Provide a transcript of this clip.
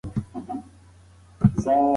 هلک په وېره کې د انا سترگو ته په ځير وکتل.